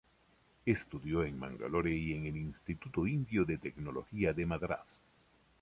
Estudió en Mangalore y en el Instituto Indio de Tecnología de Madrás.